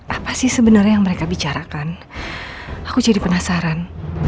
apa sih sebenarnya yang mereka bicarakan aku jadi penasaran